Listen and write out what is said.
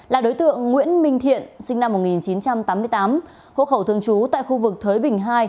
là đối tượng nguyễn minh thiện sinh năm một nghìn chín trăm tám mươi tám hộ khẩu thường trú tại khu vực thới bình hai